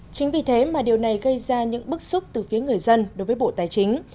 chính vì thế mà điều này gây ra những bức xúc từ phía người dân đối với bộ tài chính